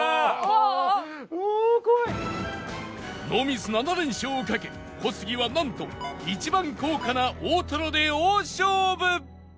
ノーミス７連勝をかけ小杉はなんと一番高価な大トロで大勝負！